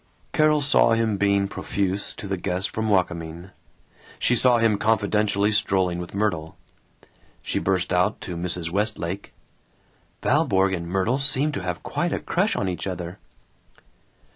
Carol saw him being profuse to the guest from Wakamin. She saw him confidentially strolling with Myrtle. She burst out to Mrs. Westlake, "Valborg and Myrtle seem to have quite a crush on each other."